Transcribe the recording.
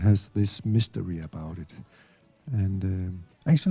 jadi itu memiliki misteri tentangnya